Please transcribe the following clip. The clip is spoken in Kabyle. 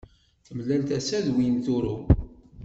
Temlal tasa d win trew.